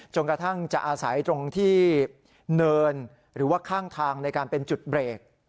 กระทั่งจะอาศัยตรงที่เนินหรือว่าข้างทางในการเป็นจุดเบรก